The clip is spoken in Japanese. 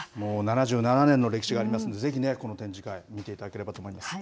もう７７年の歴史がありますので、ぜひね、この展示会、見ていただければと思います。